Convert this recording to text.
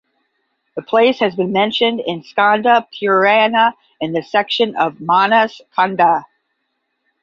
The place has been mentioned in Skanda Purana in the section of "Manas Khanda".